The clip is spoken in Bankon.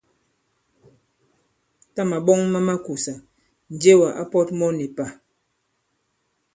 Tâ màɓɔŋ ma makùsà, Njewà ǎ pɔ̄t mɔ nì pà.